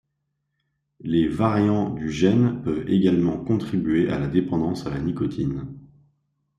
Les variants du gène peuvent également contribuer à la dépendance à la nicotine.